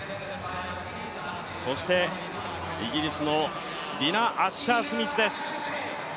そして、イギリスのディナ・アッシャースミスです。